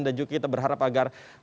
dan juga kita berharap agar